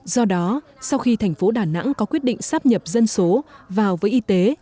do đó sau khi thành phố đà nẵng có quyết định sắp nhập dân số vào với y tế